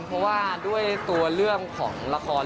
เพราะว่าด้วยตัวเรื่องของละคร